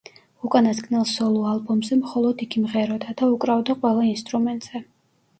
უკანასკნელ სოლო ალბომზე მხოლოდ იგი მღეროდა და უკრავდა ყველა ინსტრუმენტზე.